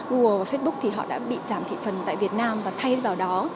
google và facebook thì họ đã bị giảm thị phần tại việt nam và thay vào đó